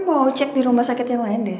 mau cek di rumah sakit yang lain deh